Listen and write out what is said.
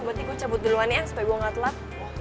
berarti gue cabut duluan ya supaya gue enggak telat